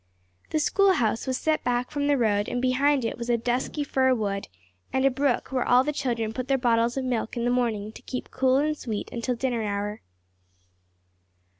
The schoolhouse was set back from the road and behind it was a dusky fir wood and a brook where all the children put their bottles of milk in the morning to keep cool and sweet until dinner hour.